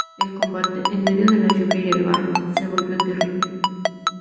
El combate, en medio de la lluvia y el barro, se volvió terrible.